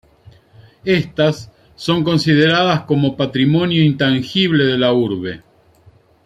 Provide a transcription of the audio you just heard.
Estas, son consideradas como patrimonio intangible de la urbe.